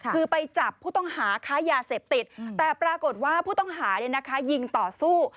คือไปจับผู้ต้องหาค้ายาเสพติดแต่ปรากฏว่าผู้ต้องหายิงต่อสู้